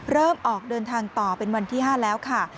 เริ่มออกเดินทางต่อเป็นวันที่๕แล้วค่ะ